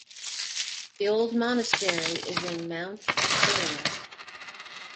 The old monastery is in Mount Victoria.